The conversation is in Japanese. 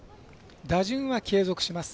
打順は継続します。